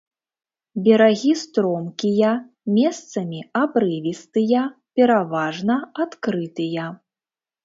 Берагі стромкія, месцамі абрывістыя, пераважна адкрытыя.